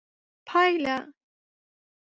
پایله: